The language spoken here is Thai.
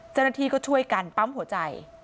เจ้าหน้าที่ก็ช่วยกันปั๊มหัวใจ